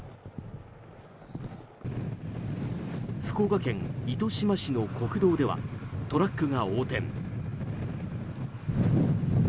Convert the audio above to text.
福岡県糸島市の国道ではトラックが横転。